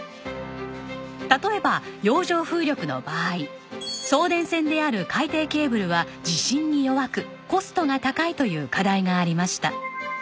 例えば洋上風力の場合送電線である海底ケーブルは地震に弱くコストが高いという課題がありました。